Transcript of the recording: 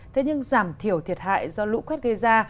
thế nhưng giảm thiểu thiệt hại do lũ quét gây ra